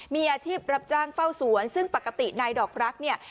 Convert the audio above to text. มีอาชีพรับจ้างเฝ้าสวนซึ่งปกตินายดอกรักเนี่ย